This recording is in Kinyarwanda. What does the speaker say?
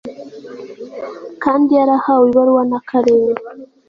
kandi yarahawe ibaruwa n akarere